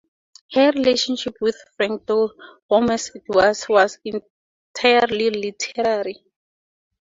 Her relationship with Frank Doel, warm as it was, was entirely literary.